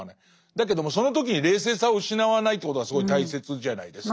だけどもその時に冷静さを失わないということがすごい大切じゃないですか。